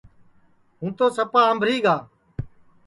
ہوں تو سپا آمبھری گا